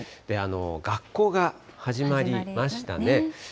学校が始まりましたね。